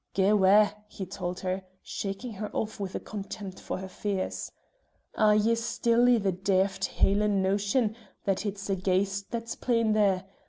"Gae 'wa!" he told her, shaking her off with a contempt for her fears. "Are ye still i' the daft Hielan' notion that it's a ghaist that's playin' there?